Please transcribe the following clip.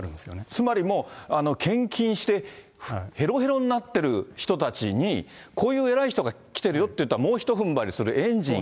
つまりもう、献金してへろへろになってる人たちに、こういう偉い人が来てるよっていったら、もうひとふんばりするエンジン。